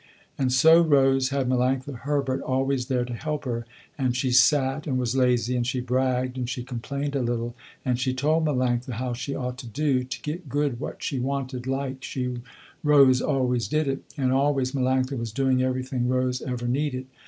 And so Rose had Melanctha Herbert always there to help her, and she sat and was lazy and she bragged and she complained a little and she told Melanctha how she ought to do, to get good what she wanted like she Rose always did it, and always Melanctha was doing everything Rose ever needed.